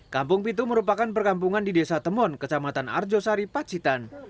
kampung pitu merupakan perkampungan di desa temon kecamatan arjosari pacitan